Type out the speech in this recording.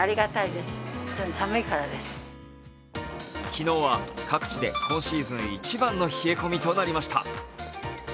昨日は各地で今シーズン一番の冷え込みとなりました。